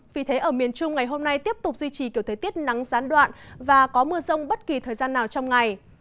vì thế ở miền trung ngày hôm nay tiếp tục duy trì kiểu thời tiết nắng gián đoạn và có mưa rông bất kỳ thời gian nào trong ngày